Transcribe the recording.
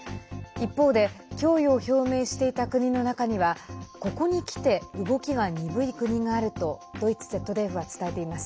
一方で供与を表明していた国の中にはここにきて動きが鈍い国があるとドイツＺＤＦは伝えています。